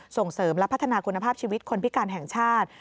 ส่งเสริมและพัฒนาคุณภาพชีวิตคนพิการแห่งชาติ